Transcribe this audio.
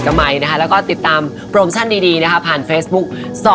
แล้วก็ติดตามโปรโมชั่นดีผ่านเฟซบุ๊ค๒๔๖๓